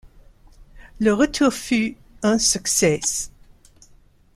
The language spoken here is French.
Le retour fut un succès.